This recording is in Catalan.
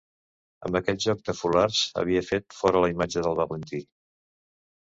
Amb aquell joc de fulards havia fet fora la imatge del Valentí.